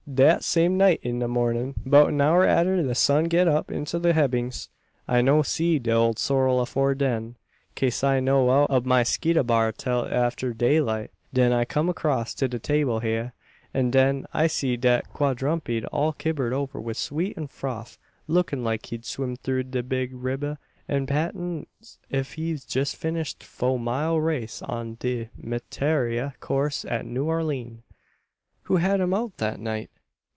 Dat same night in de mornin', 'bout an hour atter de sun git up into de hebbings. I no see de ole sorrel afore den, kase I no out ob my skeeta bar till after daylight. Den I kum 'cross to de 'table hya, an den I see dat quadrumpid all kibbered ober wif sweet an froff lookin' like he'd swimmed through de big ribba, an pantin' 's if he jes finish a fo' mile race on de Metairie course at New Orlean." "Who had him out thet night?"